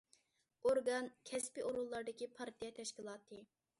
ئورگان، كەسپىي ئورۇنلاردىكى پارتىيە تەشكىلاتى.